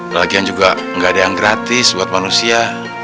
lagian juga nggak ada yang gratis buat manusia